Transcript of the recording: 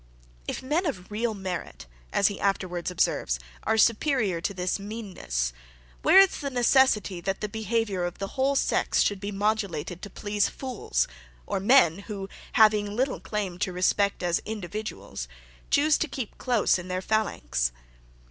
If men of real merit, as he afterwards observes, are superior to this meanness, where is the necessity that the behaviour of the whole sex should be modulated to please fools, or men, who having little claim to respect as individuals, choose to keep close in their phalanx.